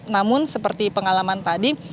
namun seperti pengalaman tadi